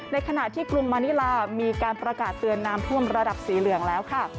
ในขณะที่กรุงมานิลามีการประกาศเตือนน้ำท่วมระดับสีเหลืองแล้วค่ะ